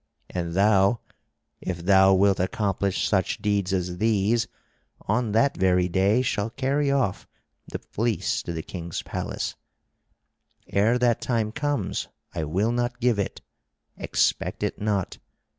And thou, if thou wilt accomplish such deeds as these, on that very day shalt carry off the fleece to the king's palace; ere that time comes I will not give it, expect it not.